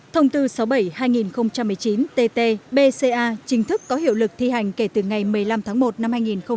thông tư sáu mươi bảy hai nghìn một mươi chín tt bca chính thức có hiệu lực thi hành kể từ ngày một mươi năm tháng một năm hai nghìn hai mươi